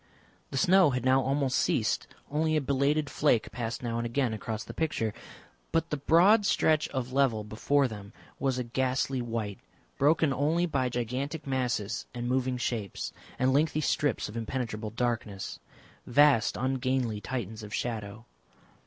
The snow had now almost ceased; only a belated flake passed now and again across the picture. But the broad stretch of level before them was a ghastly white, broken only by gigantic masses and moving shapes and lengthy strips of impenetrable darkness, vast ungainly Titans of shadow.